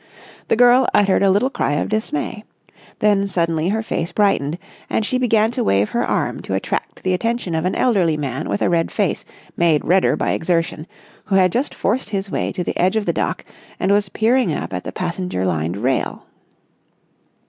The girl uttered a little cry of dismay. Then suddenly her face brightened, and she began to wave her arm to attract the attention of an elderly man with a red face made redder by exertion, who had just forced his way to the edge of the dock and was peering up at the passenger lined rail.